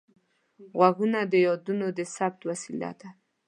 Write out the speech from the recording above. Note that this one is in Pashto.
غوږونه د یادونو د ثبت وسیله ده